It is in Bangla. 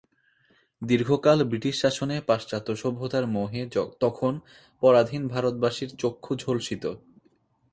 দীর্ঘকাল ব্রিটিশ শাসনে পাশ্চাত্য সভ্যতার মোহে তখন পরাধীন ভারতবাসীর চক্ষু ঝলসিত।